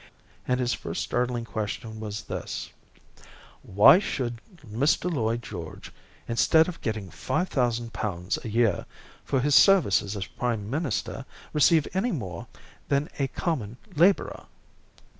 And his first startling question was this: "Why should Mr. Lloyd George, instead of getting five thousand pounds a year for his services as prime minister, receive any more than a common labourer?"